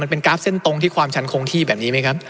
เป็นกราฟเส้นตรงที่ความชันคงที่แบบนี้ไหมครับ